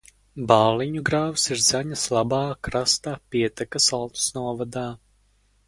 Bāliņu grāvis ir Zaņas labā krasta pieteka Saldus novadā.